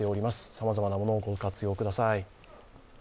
さまざまなものをご活用ください。